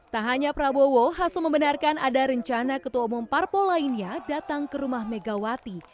tak hanya prabowo hasso membenarkan ada rencana ketua umum parpol lainnya datang ke rumah megawati